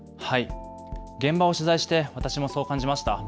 現場を取材して私もそう感じました。